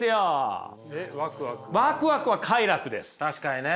確かにね。